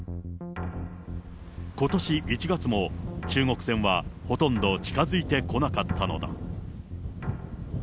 ことし１月も、中国船はほとんど近づいてこなかったのだ。